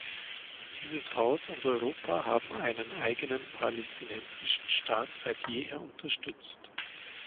Dieses Haus und Europa haben einen eigenen palästinensischen Staat seit jeher unterstützt.